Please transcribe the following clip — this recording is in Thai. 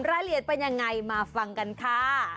รายละเอียดเป็นยังไงมาฟังกันค่ะ